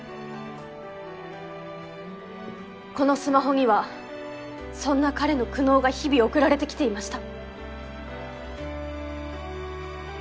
このスマホにはそんな彼の苦悩が日々送られてきていました。